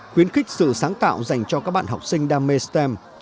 khuyến khích sự sáng tạo dành cho các bạn học sinh đam mê stem